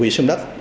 quy sinh đất